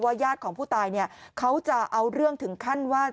ญาติของผู้ตายเนี่ยเขาจะเอาเรื่องถึงขั้นว่า